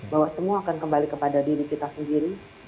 bahwa semua akan kembali kepada diri kita sendiri